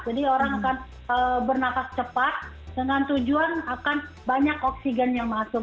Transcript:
jadi orang akan bernafas cepat dengan tujuan akan banyak oksigen yang masuk